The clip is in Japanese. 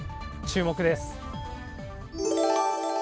注目です。